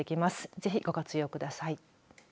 ぜひご活用ください。